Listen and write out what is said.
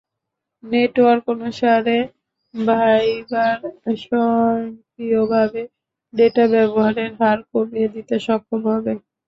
Network অনুসারে Viber স্বয়ংক্রিয়ভাবে data ব্যবহারের হার কমিয়ে দিতে সক্ষম হবে।